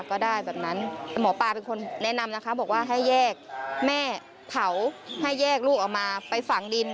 ก็ได้แบบนั้นหมอปลาเป็นคนแนะนำนะคะบอกว่าให้แยกแม่เผาให้แยกลูกออกมาไปฝังดิน